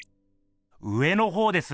上のほうです。